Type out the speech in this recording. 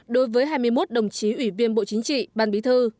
đối với hai mươi một đồng chí ủy viên bộ chính trị ban bí thư